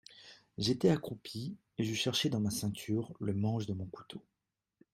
J'étais accroupi, et je cherchais dans ma ceinture le manche de mon couteau.